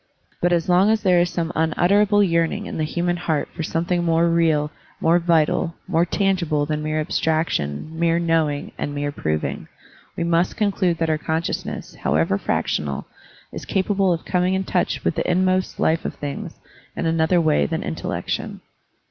But as long as there is some unutterable yearning in the human heart for something more real, more vital, more tangible than mere abstraction, mere knowing, and mere proving, we must conclude that our conscious ness, however fractional, is capable of coming in touch with the inmost life of things in another way than intellection.